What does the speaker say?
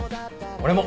俺も！